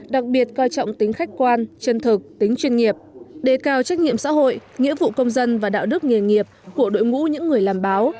đặc biệt coi trọng tính khách quan chân thực tính chuyên nghiệp đề cao trách nhiệm xã hội nghĩa vụ công dân và đạo đức nghề nghiệp của đội ngũ những người làm báo